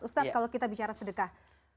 ustadz kalau kita bicara sedekah